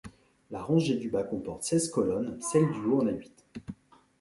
La rangée du bas comporte seize colonnes, celle du haut en a huit.